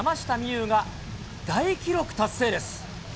有が大記録達成です。